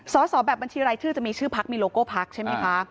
สอบแบบบัญชีรายชื่อจะมีชื่อพักมีโลโก้พักใช่ไหมคะ